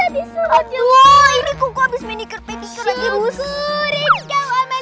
dia suruh ngejemur baju orang tua